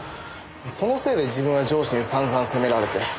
そのせいで自分は上司にさんざん責められて。